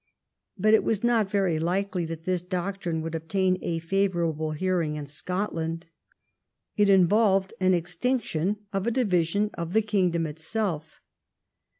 But it was not very likely that this doctrine would obtain a favourable hearing in Scotland. It involved an extinction or a division of the kingdom itself.